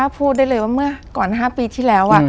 พูดได้เลยว่าเมื่อก่อน๕ปีที่แล้ว